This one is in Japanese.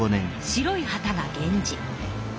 白い旗が源氏。